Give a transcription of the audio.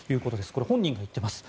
これは本人が言ってます。